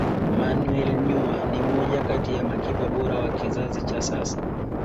manuel neuer ni mmoja kati ya makipa bora wa kizazi cha sasa